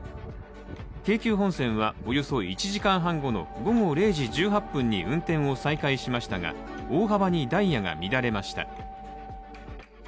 京急本線は、およそ１時間半後の午後０時１８分に運転を再開しましたが大幅にダイヤが乱れました。